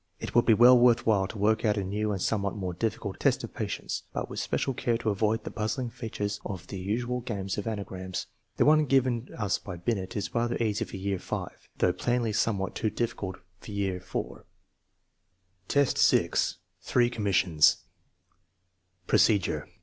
It would be well worth while to work out a new and somewhat more difficult " test of patience/' but with special care to avoid the puzzling features of the usual games of anagrams. The one given us by Binet is rather easy for year V, though plainly somewhat too difficult for year IV. 172 THE MEASUREMENT OF INTELLIGENCE V, 6. Three commissions Procedure.